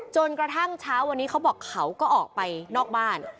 จนกระทั่งเช้าวันนี้เขาบอกเขาก็ออกไปนอกบ้าน